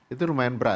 itu lumayan banyak ya